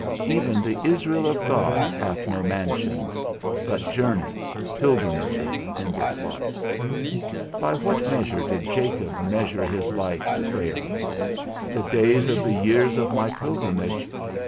Even the Israel of God hath no mansions, but journeys, pilgrimages in this life. By what measure did Jacob measure his life to Pharaoh? _The days of the years of my pilgrimage.